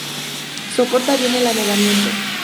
Soporta bien el anegamiento.